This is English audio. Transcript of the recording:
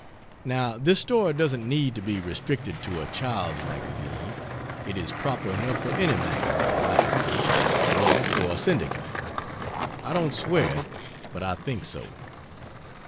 Now this story doesn't need to be restricted to a Childs magazine it is proper enough for any magazine, I should think, or for a syndicate. I don't swear it, but I think so.